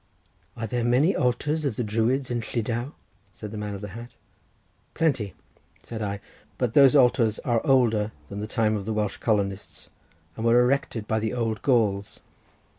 "Are there many altars of the Druids in Llydaw?" said the man of the hat. "Plenty," said I; "but those altars are older than the time of the Welsh colonists, and were erected by the old Gauls."